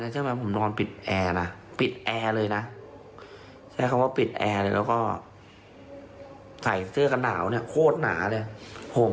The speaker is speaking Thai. แต่ผมก็ยังเท่อยู่เสมอ